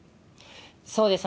そうですね。